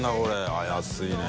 あぁ安いね。